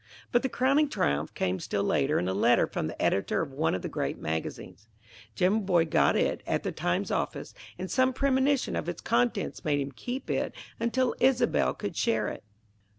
But the crowning triumph came still later, in a letter from the editor of one of the great magazines. Jimaboy got it at the Times office, and some premonition of its contents made him keep it until Isobel could share it.